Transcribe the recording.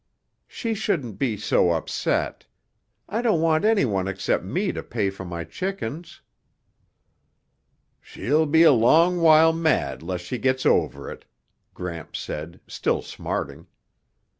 "She shouldn't be so upset. I don't want anyone except me to pay for my chickens." "She'll be a long while mad 'less she gets over it," Gramps said, still smarting.